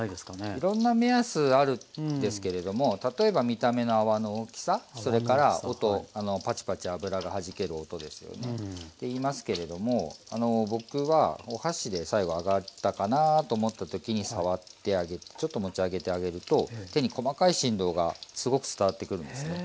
いろんな目安あるんですけれども例えば見た目の泡の大きさそれから音パチパチ油がはじける音ですよね。って言いますけれどもあの僕はお箸で最後揚がったかなと思った時に触ってあげてちょっと持ち上げてあげると手に細かい振動がすごく伝わってくるんですね。